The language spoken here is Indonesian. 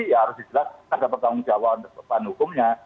ya harus dijelaskan kepada pegawai pegawai hukumnya